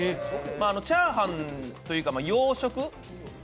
チャーハンというか洋食。